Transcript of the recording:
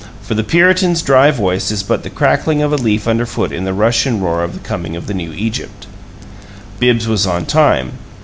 For the Puritan's dry voice is but the crackling of a leaf underfoot in the rush and roar of the coming of the new Egypt. Bibbs was on time.